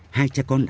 hai cha con anh